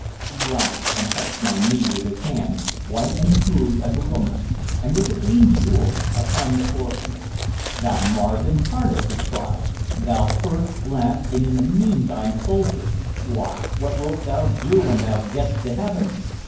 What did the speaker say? He laughed, and touched my knee with his hand, white and smooth as a woman's, and with a green jewel upon the forefinger. "Thou Mars incarnate!" he cried. "Thou first, last, and in the meantime soldier! Why, what wilt thou do when thou gettest to heaven?